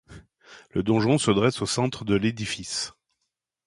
Le donjon se dresse au centre de l'édifice.